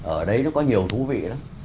ở đấy nó có nhiều thú vị lắm